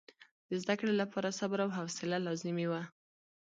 د زده کړې لپاره صبر او حوصله لازمي وه.